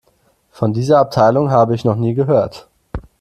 Von dieser Abteilung habe ich noch nie gehört.